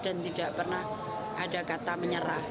dan tidak pernah ada kata menyerah